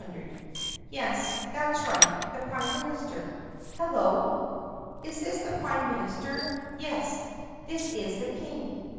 — yes, that's right — the prime minister. Hello! Is this the prime minis ter? Yes? This is the King.